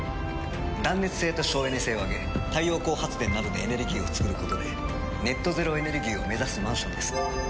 断熱性と省エネ性を上げ太陽光発電などでエネルギーを創ることでネット・ゼロ・エネルギーを目指すマンションです。